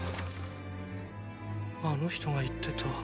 あの人が言ってた？